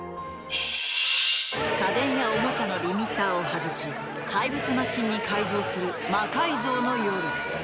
家電やおもちゃのリミッターを外し怪物マシンに改造する「魔改造の夜」。